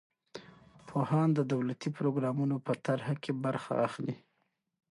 پوهان د دولتي پروګرامونو په طرحه کې برخه اخلي.